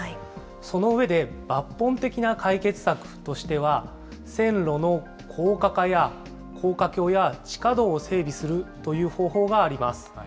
その上で抜本的な解決策としては、線路の高架化や、高架橋や地下道を整備するという方法があります。